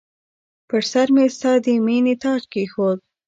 پر سرمې ستا د مییني تاج کښېښود